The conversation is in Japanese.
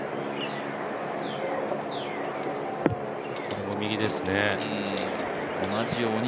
これも右ですね。